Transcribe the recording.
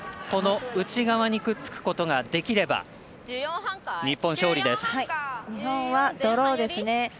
この内側にくっつくことができれば日本はドローですね。